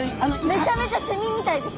めちゃめちゃセミみたいです。